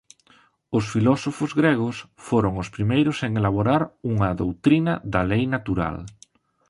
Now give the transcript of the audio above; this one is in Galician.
Os filósofos gregos foron os primeiros en elaborar unha doutrina da lei natural.